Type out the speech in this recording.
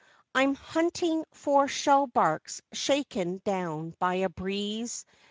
I'm hunting for shell barks shaken down by a breeze.